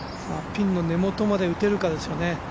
ピンの根元まで打てるかどうかですね。